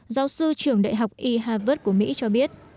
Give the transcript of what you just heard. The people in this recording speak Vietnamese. giáo sư trường đại học e harvard của mỹ cho biết